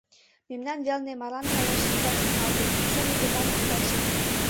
Мемнан велне марлан каяш итат шоналте: шым ӱдырлан ик каче.